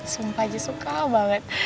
sumpah aja suka banget